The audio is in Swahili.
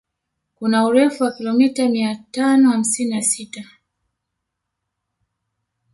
Kuna urefu wa kilomita mia tano hamsini na sita